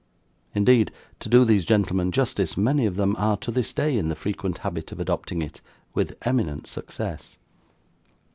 Indeed, to do these gentlemen justice, many of them are to this day in the frequent habit of adopting it, with eminent success.